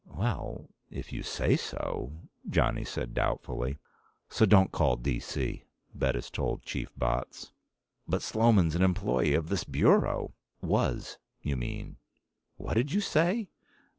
"Well, if you say so," Johnny said doubtfully. "So don't call D.C.," Bettis told Chief Botts. "But Sloman's an employee of this Bureau." "Was, you mean." "What did you say?"